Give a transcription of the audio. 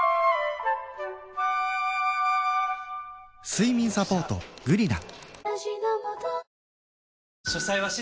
睡眠サポート「グリナ」